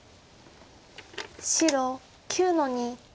白９の二。